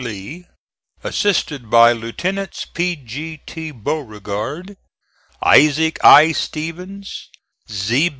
Lee, assisted by Lieutenants P. G. T. Beauregard, Isaac I. Stevens, Z.